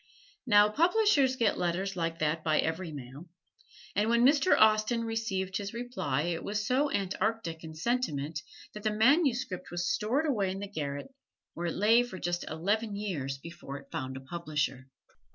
Now publishers get letters like that by every mail, and when Mr. Austen received his reply it was so antarctic in sentiment that the manuscript was stored away in the garret, where it lay for just eleven years before it found a publisher.